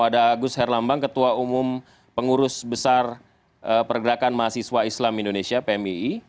ada agus herlambang ketua umum pengurus besar pergerakan mahasiswa islam indonesia pmii